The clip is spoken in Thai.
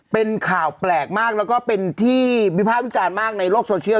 เป็นข่าวแปลกมากแล้วก็เป็นที่วิภาควิจารณ์มากในโลกโซเชียล